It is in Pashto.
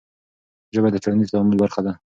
ژبه د ټولنیز تعامل برخه ده.